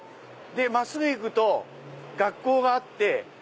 真っすぐ行くと学校があって。